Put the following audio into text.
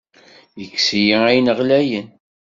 Yekkes-iyi ayen ɣlayen.